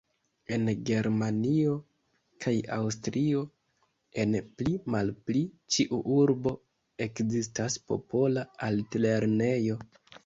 En Germanio kaj Aŭstrio, en pli-malpli ĉiu urbo ekzistas popola altlernejo.